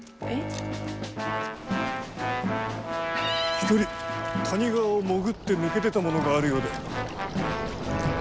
一人谷川を潜って抜け出た者があるようで。